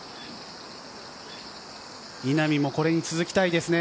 稲見もこれに続きたいですね。